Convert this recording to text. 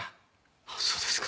あっそうですか。